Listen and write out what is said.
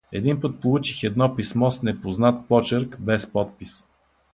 Един път получих едно писмо с непознат почерк, без подпис.